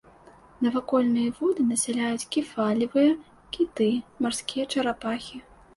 Навакольныя воды насяляюць кефалевыя, кіты, марскія чарапахі.